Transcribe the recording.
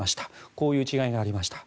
こういう違いがありました。